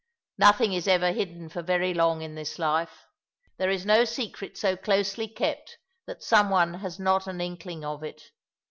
Nothing is ever hidden for very long in this life. There is no secret so closely kept that some one has not an inkling of it.